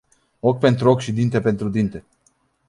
Ochi pentru ochi și dinte pentru dinte.